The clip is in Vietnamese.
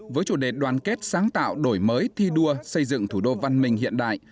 với chủ đề đoàn kết sáng tạo đổi mới thi đua xây dựng thủ đô văn minh hiện đại